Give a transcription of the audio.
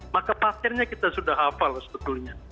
maka parkirnya kita sudah hafal sebetulnya